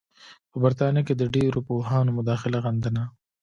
په برټانیه کې ډېرو پوهانو مداخله غندله.